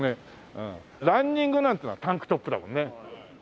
ランニングなんていうのはタンクトップだもんね。